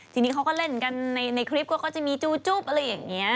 ทีนี้เขาก็เล่นกันในคลิปก็เขาจะมีจูจุ๊บอะไรอย่างนี้